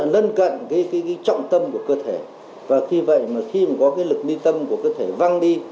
lân cận cái trọng tâm của cơ thể và khi vậy mà khi mà có cái lực mi tâm của cơ thể văng đi